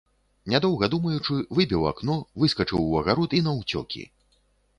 Нядоўга думаючы, выбіў акно, выскачыў у агарод і наўцёкі.